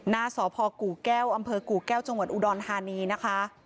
หน้าสพกู่แก้วอำเภอกู่แก้วจังหวัดอุดรธานีนะคะ